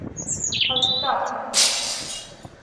Али страх ме је.